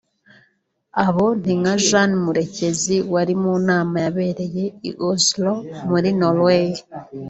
abo ninka Jeanne Mukamurenzi wari munama yabereye i Oslo muri Norway